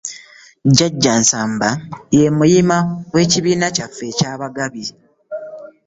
Jjajja Nsamba ye muyima w'ekibiina kyaffe eky'abagabi.